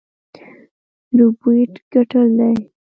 ربوبیت ګټل دی.